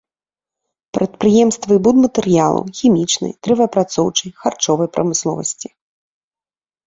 Прадпрыемствы будматэрыялаў, хімічнай, дрэваапрацоўчай, харчовай прамысловасці.